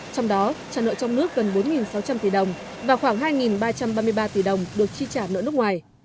trong đó trả nợ trong nước gần bốn sáu trăm linh tỷ đồng và khoảng hai ba trăm ba mươi ba tỷ đồng được chi trả nợ nước ngoài